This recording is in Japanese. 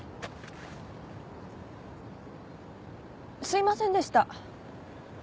すいませんでした。